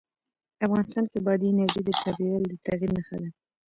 افغانستان کې بادي انرژي د چاپېریال د تغیر نښه ده.